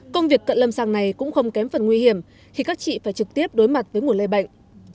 công việc cận lâm sàng này cũng không kém phần nguy hiểm khi các chị phải trực tiếp đối mặt với nguồn lây bệnh